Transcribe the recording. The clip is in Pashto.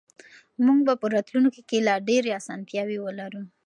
موږ به په راتلونکي کې لا ډېرې اسانتیاوې ولرو.